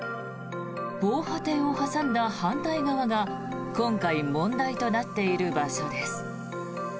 防波堤を挟んだ反対側が今回、問題となっている場所です。